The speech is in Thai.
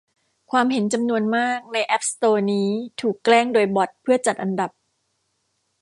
ความเห็นจำนวนมากในแอพสโตร์นี้ถูกแกล้งโดยบ็อตเพื่อจัดอันดับ